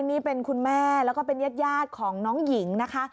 นี่เป็นคุณแม่แล้วก็เป็นญาติของน้องหญิงนะคะ